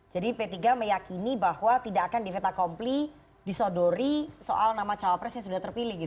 jadi p tiga meyakini bahwa tidak akan difetakompli disodori soal nama cowok presiden sudah terpilih gitu